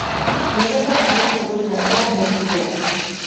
يەنە بىر ھەل قىلغۇچ نەرسە نەتىجە.